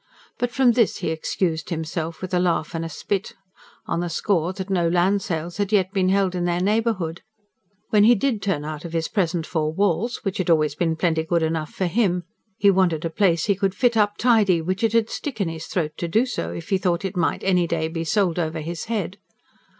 But from this he excused himself, with a laugh and a spit, on the score that no land sales had yet been held in their neighbourhood: when he DID turn out of his present four walls, which had always been plenty good enough for him, he wanted a place he could "fit up tidy"; which it 'ud stick in his throat to do so, if he thought it might any day be sold over his head.